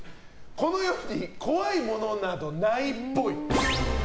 この世に怖いものなどないっぽい。